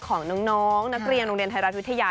ของน้องนักเรียนโรงเรียนไทยรัฐวิทยา